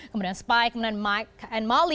kemudian spike kemudian mike and moly